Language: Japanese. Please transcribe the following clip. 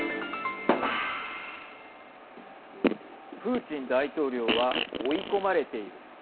プーチン大統領は追い込まれている。